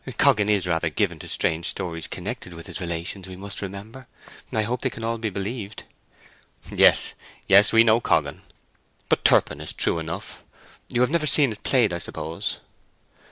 "Coggan is rather given to strange stories connected with his relations, we must remember. I hope they can all be believed." "Yes, yes; we know Coggan. But Turpin is true enough. You have never seen it played, I suppose?"